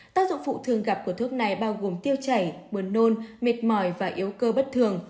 tác dụng phụ thường gặp của thuốc này bao gồm tiêu chảy buồn nôn mệt mỏi và yếu cơ bất thường